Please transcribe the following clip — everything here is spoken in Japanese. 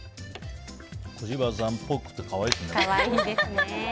小芝さんっぽくて可愛いですね。